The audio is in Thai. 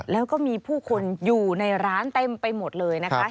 แล้วก็มีผู้คนอยู่ในร้านเต็มไปหมดเลยนะคะ